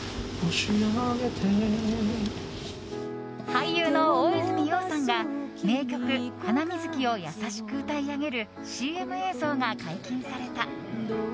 俳優の大泉洋さんが名曲「ハナミズキ」を優しく歌い上げるＣＭ映像が解禁された。